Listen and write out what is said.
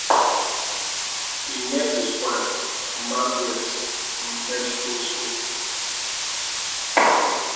He met his wife, Margaret, in medical school.